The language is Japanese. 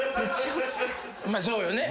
まあそうよね。